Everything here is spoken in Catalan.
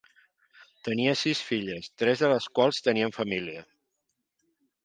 Tenia sis filles, tres de las quals tenien família.